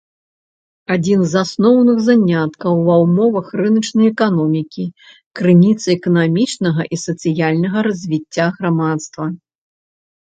Адзін з асноўных заняткаў ва ўмовах рыначнай эканомікі, крыніца эканамічнага і сацыяльнага развіцця грамадства.